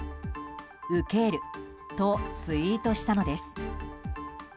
「うける」とツイートしたのです。